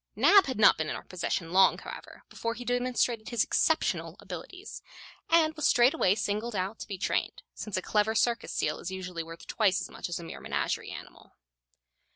Nab had not been in our possession long, however, before he demonstrated his exceptional abilities, and was straightway singled out to be trained, since a clever circus seal is usually worth twice as much as a mere menagerie animal.